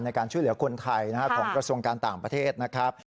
ในการช่วยเหลือคนไทยของกระทรวงการต่างประเทศนะครับ